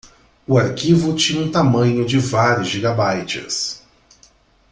O arquivo tinha um tamanho de vários gigabytes.